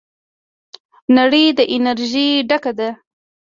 نړۍ د انرژۍ ډکه ده.